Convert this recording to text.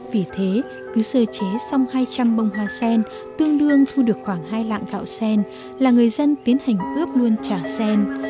vì thế cứ sơ chế xong hai trăm linh bông hoa sen tương đương thu được khoảng hai lạng gạo sen là người dân tiến hành ướp luôn trà sen